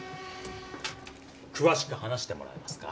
詳しく話してもらえますか？